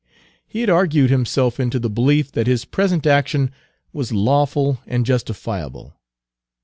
He had argued himself into the belief that his present action was lawful and justifiable.